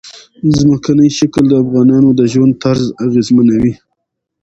ځمکنی شکل د افغانانو د ژوند طرز اغېزمنوي.